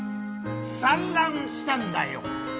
産卵したんだよ。